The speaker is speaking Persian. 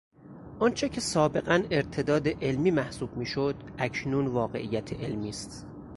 آنچه که سابقا ارتداد علمی محسوب میشد اکنون واقعیت علمی است.